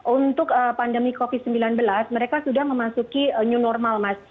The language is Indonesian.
untuk pandemi covid sembilan belas mereka sudah memasuki new normal mas